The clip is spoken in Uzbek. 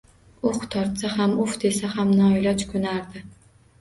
Uh tortsa ham, uf desa ham, noiloj ko`nardi